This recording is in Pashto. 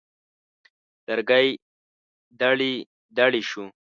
لرګی دړې دړې شو.